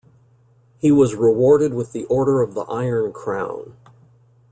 He was rewarded with the Order of the Iron Crown.